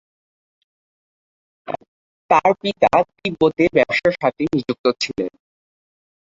তার পিতা তিব্বতে ব্যবসার সাথে নিযুক্ত ছিলেন।